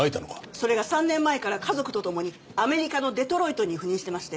それが３年前から家族と共にアメリカのデトロイトに赴任してまして。